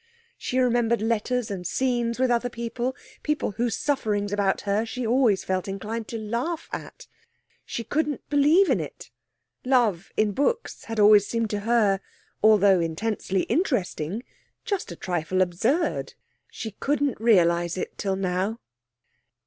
She remembered letters and scenes with other people people whose sufferings about her she felt always inclined to laugh at. She couldn't believe in it. Love in books had always seemed to her, although intensely interesting, just a trifle absurd. She couldn't realise it till now.